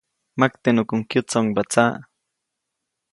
Maktenuʼkuŋ kyätsoʼŋba tsaʼ.